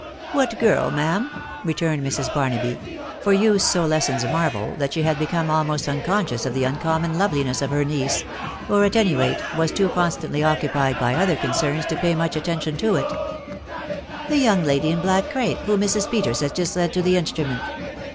" What girl, ma'am ?" returned Mrs. Barnaby ;, for use so lessens marvel, that she had become almost unconscious of the uncommon loveliness of her niece ; or. at any rate, was too constantly occupied by other concerns to pay much atten tion to iu " That young lady in black crape, whom Mrs, Peters has just led to the instrument.